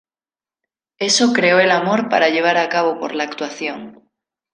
Eso creó el amor para llevar a cabo por la actuación.